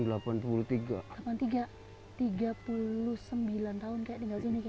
hai sembilan tahun kayaknya sini ya